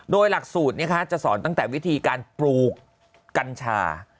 โดยหลักสูตรจะสอนตั้งแต่วิธีการปลูกกัญชา